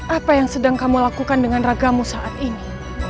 apa yang sedang kamu lakukan dengan ragamu saat ini